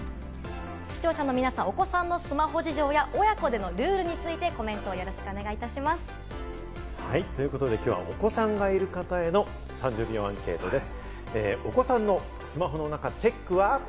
視聴者の皆さんもお子さんのスマホ事情や親子でのルールについてコメントをお寄せください。ということで今日はお子さんがいる方への３０秒アンケートです。